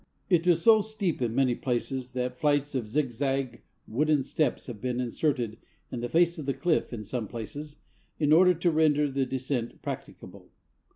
It is so steep in many places that flights of zigzag wooden steps have been inserted in the face of the cliff in some places, in order to render the descent practicable.